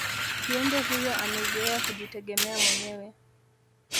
kiumbe huyo amezoea kujitegemea mwenyewe